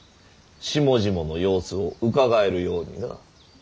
下々の様子をうかがえるようにな。